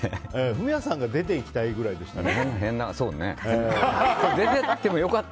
フミヤさんが出ていきたいくらいでしたよね。